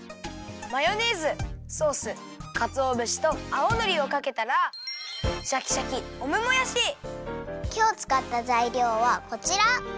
マヨネーズソースかつおぶしと青のりをかけたらシャキシャキきょうつかったざいりょうはこちら。